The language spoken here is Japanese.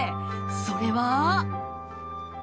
それは。